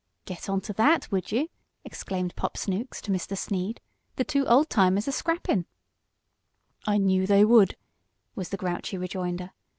"Get on to that, would you!" exclaimed Pop Snooks to Mr. Sneed. "The two old timers are scrappin'." "I knew they would," was the grouchy rejoinder.